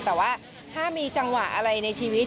แต่ว่าถ้ามีจังหวะอะไรในชีวิต